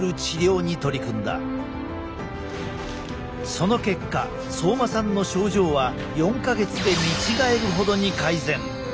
その結果相馬さんの症状は４か月で見違えるほどに改善。